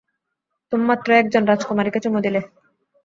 তুমি মাত্রই একজন রাজকুমারীকে চুমু দিলে।